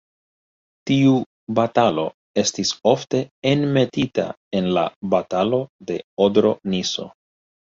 Tiu batalo estis ofte enmetita en la Batalo de Odro-Niso.